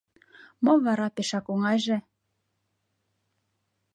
«Мо вара пешак оҥайже